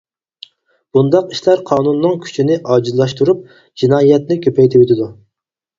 بۇنداق ئىشلار قانۇننىڭ كۈچىنى ئاجىزلاشتۇرۇپ، جىنايەتنى كۆپەيتىۋېتىدۇ.